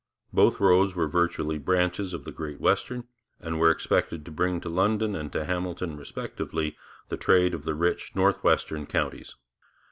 Both roads were virtually branches of the Great Western, and were expected to bring to London and to Hamilton respectively the trade of the rich northwestern counties.